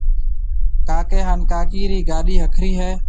ڪاڪي هانَ ڪاڪِي رِي گاڏِي هَکرِي هيَ۔